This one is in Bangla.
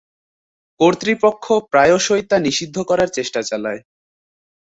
কর্তৃপক্ষ প্রায়শঃই তা নিষিদ্ধ করার চেষ্টা চালায়।